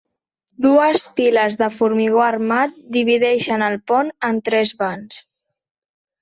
Dues piles de formigó armat divideixen el pont en tres vans.